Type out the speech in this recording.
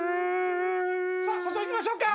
さあ社長行きましょうか！